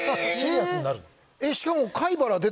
しかも。